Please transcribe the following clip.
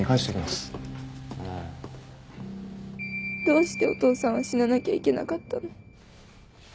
どうしてお父さんは死ななきゃいけなかったの？